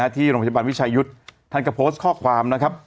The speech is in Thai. ที่โรงพยาบาลวิชายุทธ์ท่านก็โพสต์ข้อความนะครับ